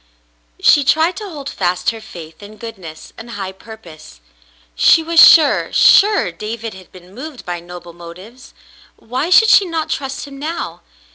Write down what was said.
She tried to hold fast her faith in goodness and high purpose. She was sure — sure — David had been moved by noble motives ; why should she not trust him now